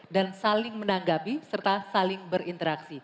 dan saling menanggapi serta saling berinteraksi